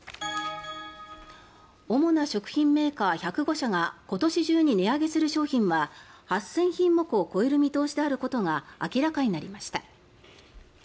主な食品メーカー１０５社が今年中に値上げする商品は８０００品目を超える見通しであることが明らかになりました。